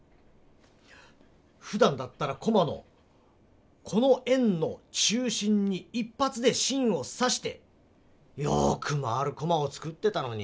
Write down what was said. ふだんだったらコマのこの円の中心に一ぱつでしんをさしてよく回るコマを作ってたのに。